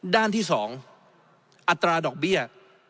ด้านที่๒อัตราดอกเบี้ย